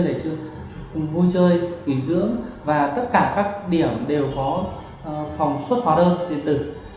vui chơi nghỉ dưỡng và tất cả các điểm đều có phòng suất hóa đơn điện tử